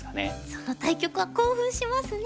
その対局は興奮しますね。